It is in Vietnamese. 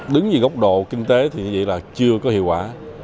đứng như góc độ kinh tế thì như vậy là chưa có hiệu quả